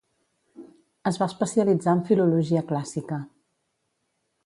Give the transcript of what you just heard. Es va especialitzar en filologia clàssica.